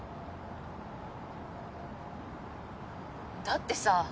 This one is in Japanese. だってさ